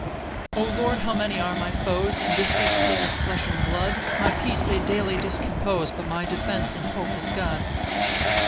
1 O Lord, how many are my foes, In this weak state of flesh and blood! My peace they daily discompose, But my defence and hope is God.